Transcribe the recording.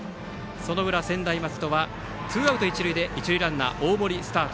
その裏、専大松戸はツーアウト、一塁で一塁ランナー、大森がスタート。